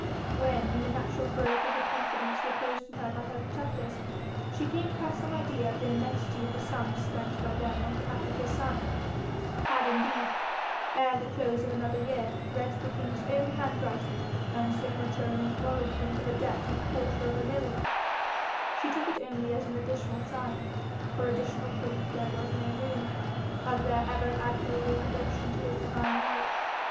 When, in the natural growth of the confidence reposed in her by her protectors, she came to have some idea of the immensity of the sums spent by them on behalf of his son, had, indeed, ere the close of another year read the king's own handwriting and signature in acknowledgment of a debt of a quarter of a million, she took it only as an additional sign for additional proof there was no room of their ever admirable devotion to his divine right.